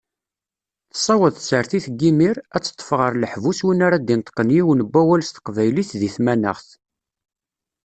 Tessaweḍ tsertit n yimir, ad teṭṭef ɣer leḥbus win ara d-ineṭṭqen yiwen n wawal s teqbaylit deg tmanaɣt.